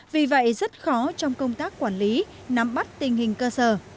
vì vậy rất khó trong công tác quản lý nắm bắt tình hình cơ sở